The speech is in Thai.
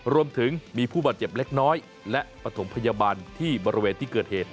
รวมถึงมีผู้บาดเจ็บเล็กน้อยและปฐมพยาบาลที่บริเวณที่เกิดเหตุ